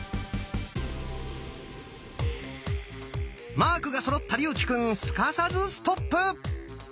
マークがそろった竜暉くんすかさずストップ！